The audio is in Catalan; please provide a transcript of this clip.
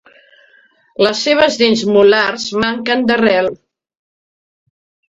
Les seves dents molars manquen d'arrel.